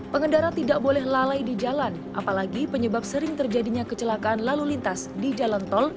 pengendara tidak boleh lalai di jalan apalagi penyebab sering terjadinya kecelakaan lalu lintas di jalan tol